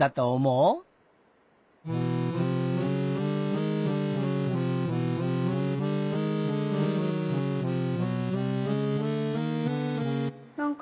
うん。